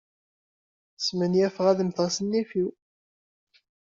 Smenyafeɣ ad mmteɣ s nnif-inu.